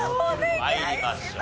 参りましょう。